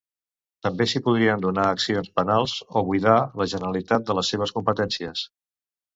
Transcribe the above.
També s'hi podrien donar accions penals o buidar la Generalitat de les seves competències.